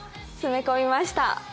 詰め込みました。